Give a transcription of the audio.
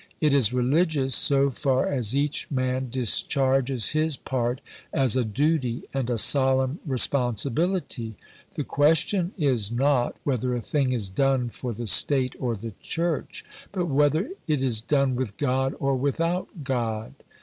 It is religious so far as each man discharges his part as a duty and a solemn responsibility. The question is not whether a thing is done for the State or the Church, but whether it is done with God or without God."